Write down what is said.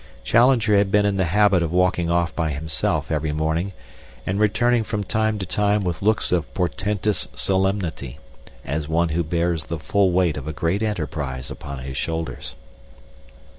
Challenger had been in the habit of walking off by himself every morning and returning from time to time with looks of portentous solemnity, as one who bears the full weight of a great enterprise upon his shoulders.